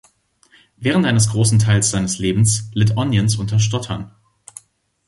Während eines großen Teils seines Lebens litt Onions unter Stottern.